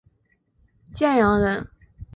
建阳人。